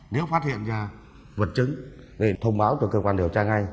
nếu phát hiện vật chứng thì thông báo cho cơ quan điều tra ngay